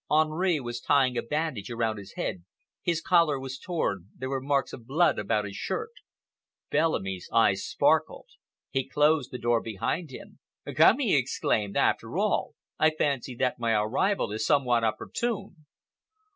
Henri was tying a bandage around his head, his collar was torn, there were marks of blood about his shirt. Bellamy's eyes sparkled. He closed the door behind him. "Come," he exclaimed, "after all, I fancy that my arrival is somewhat opportune!"